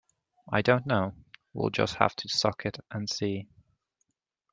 I don't know; we'll just have to suck it and see